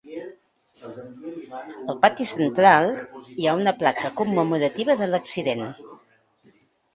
Al pati central hi ha una placa commemorativa de l'accident.